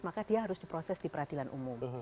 maka dia harus diproses di peradilan umum